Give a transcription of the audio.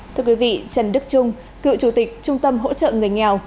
thưa quý vị trần đức trung cựu chủ tịch trung tâm hỗ trợ người nghèo